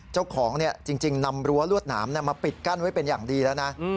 เจ้าของจริงนำรั้วรวดหนามมาปิดกั้นไว้เป็นอย่างดีแล้วนะ